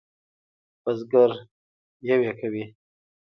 بزگر یویې کوي.